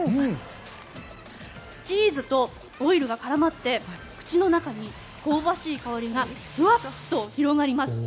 チーズとオイルが絡まって口の中に香ばしい香りがふわっと広がります。